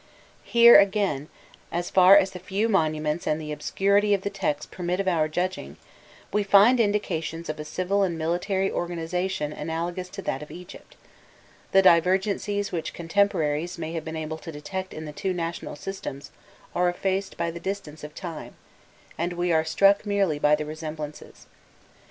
Here, again, as far as the few monuments and the obscurity of the texts permit of our judging, we find indications of a civil and military organization analogous to that of Egypt: the divergencies which contemporaries may have been able to detect in the two national systems are effaced by the distance of time, and we are struck merely by the resemblances.